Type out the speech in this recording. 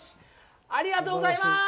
ありがとうございます。